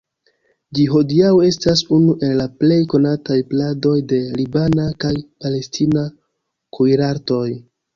Ĝi hodiaŭ estas unu el la plej konataj pladoj de libana kaj palestina kuirartoj.